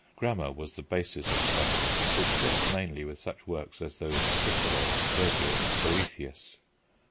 Grammar was the basis of study, which dealt mainly with such works as those of Cicero, Virgil, Boethius.